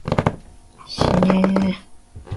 やめて、ネットが荒れる。